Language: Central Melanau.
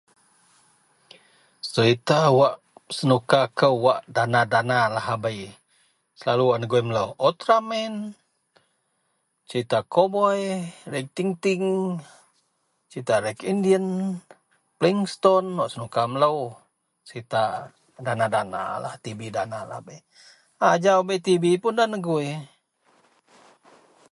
Serita wak senuka kou wak dana-dana lahabei selalu wak negoi melo ultra man serita koboi, red ting-ting serita red indian flint stone wak senuka melo serita dana-dana lah, tibi dana lahabei. Ajau bei tibi puon nda negoi.